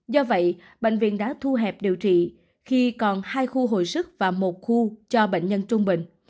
do vậy bệnh viện đã thu hẹp điều trị khi còn hai khu hồi sức và một khu cho bệnh nhân trung bình